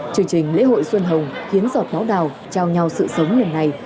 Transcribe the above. chương trình lễ hội xuân hồng hiến giọt máu đào trao nhau sự sống nhiều ngày